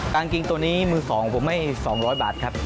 กางเกงตัวนี้มือ๒ผมให้๒๐๐บาทครับ